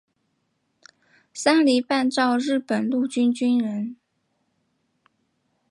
山梨半造日本陆军军人。